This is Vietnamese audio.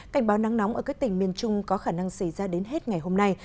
cảnh báo nắng nóng ở các tỉnh miền trung có khả năng xảy ra đến hết ngày hôm nay